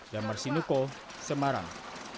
damar sinuko semarang